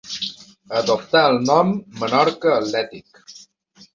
Adoptà el nom Menorca Atlètic.